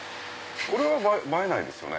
これは映えないですよね。